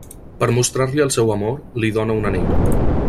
Per mostrar-li el seu amor li dóna un anell.